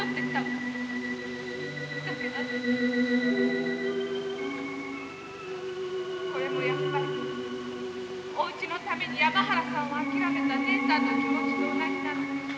だけど私これもやっぱりおうちのために山原さんを諦めた姉さんの気持ちと同じなのねきっと。